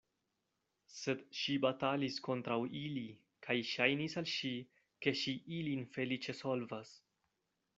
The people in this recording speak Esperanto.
Sed ŝi batalis kontraŭ ili, kaj ŝajnis al ŝi, ke ŝi ilin feliĉe solvas.